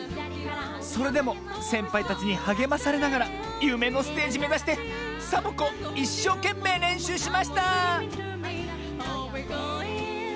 それでもせんぱいたちにはげまされながらゆめのステージめざしてサボ子いっしょうけんめいれんしゅうしました！